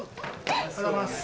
おはようございます。